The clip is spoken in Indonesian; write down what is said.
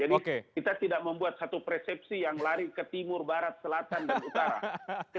jadi kita tidak membuat satu persepsi yang lari ke timur barat selatan dan utara